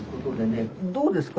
どうですか？